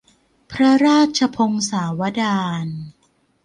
พระราชพงศาวดาร